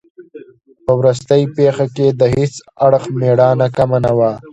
په وروستۍ پېښه کې د هیڅ اړخ مېړانه کمه نه وه.